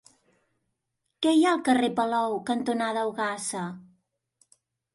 Què hi ha al carrer Palou cantonada Ogassa?